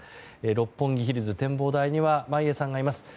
六本木ヒルズ展望台には眞家さんがいます。